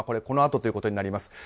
このあとということになります。